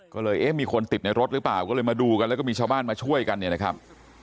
ก็เลยเอ๊ะมีคนติดในรถหรือเปล่าก็เลยมาดูกันแล้วก็มีชาวบ้านมาช่วยกันเนี่ยนะครับ